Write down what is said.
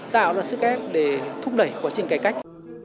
tạo ra sức ép để thúc đẩy quá trình cải cách